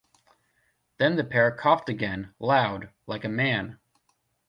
Then the parrot coughed again — loud, like a man.